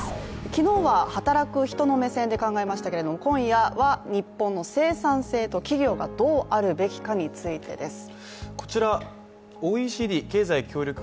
昨日は働く人の目線で考えましたけれども、今夜は日本の生産性と企業がどうあるべきかについてです。